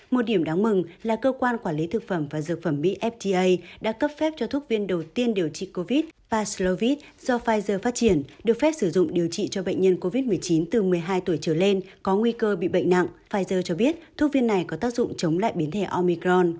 một điểm đáng mừng là cơ quan quản lý thực phẩm và dược phẩm mỹ fda đã cấp phép cho thuốc viên đầu tiên điều trị covid paslovid do pfizer phát triển được phép sử dụng điều trị cho bệnh nhân covid một mươi chín từ một mươi hai tuổi trở lên có nguy cơ bị bệnh nặng pfizer cho biết thuốc viên này có tác dụng chống lại biến thể omicron